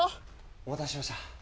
お待たせしました。